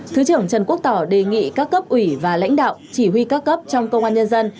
thứ trưởng trần quốc tỏ đề nghị các cấp ủy và lãnh đạo chỉ huy các cấp trong công an nhân dân